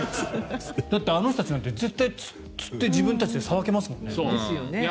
だってあの人たちなんて絶対釣って自分たちでさばけますもんね。